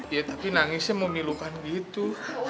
ya tapi nangisnya memilukan gitu